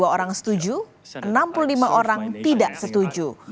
tiga ratus lima puluh dua orang setuju enam puluh lima orang tidak setuju